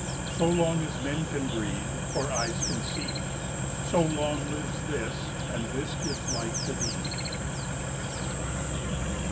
So long as men can breathe, or eyes can see, So long lives this, and this gives life to thee.